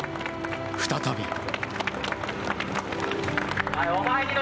再び。